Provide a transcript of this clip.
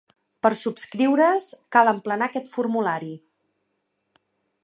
Per subscriure's cal emplenar aquest formulari.